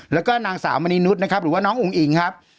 และก็นางสาวมณีนุษย์หรือว่าน้องอุ้งอิงครับ